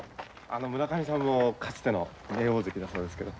村上さんもかつての名大関だそうですけど。